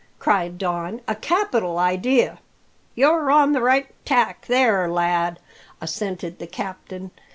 cried Don. "A capital idea!" "You're on the right tack there, lad," assented the captain.